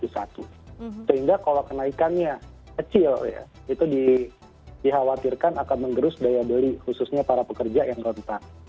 sehingga kalau kenaikannya kecil ya itu dikhawatirkan akan menggerus daya beli khususnya para pekerja yang rentan